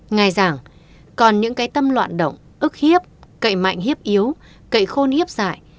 ngài giảng còn những cái tâm loạn động ức hiếp cậy mạnh hiếp yếu cậy khôn hiếp dại